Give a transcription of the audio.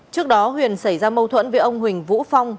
trước đó huyền xảy ra mâu thuẫn với ông huỳnh vũ phong